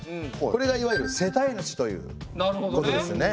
これがいわゆる世帯主ということですね。